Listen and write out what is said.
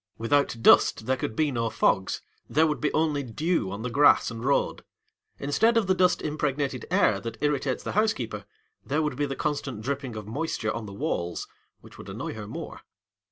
Without dust there could be no fogs, there would be only dew on the grass and road. Instead of the dust impregnated air that irritates the housekeeper, there would be the constant dripping of moisture on the walls, which would annoy her more.